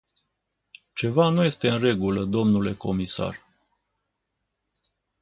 Ceva nu este în regulă, dle comisar.